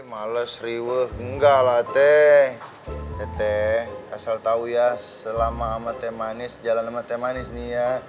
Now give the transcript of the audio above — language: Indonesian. males riwet enggak late teteh asal tahu ya selama amat emani sejalan mateman isnya